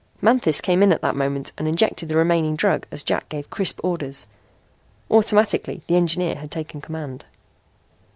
Manthis came in at that moment and injected all the remaining drug as Jack gave crisp orders. Automatically the engineer had taken command.